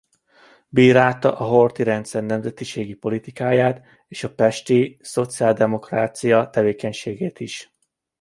Bírálta a Horthy-rendszer nemzetiségi politikáját és a pesti szociáldemokrácia tevékenységét is.